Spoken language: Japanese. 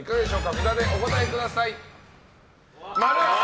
札でお答えください。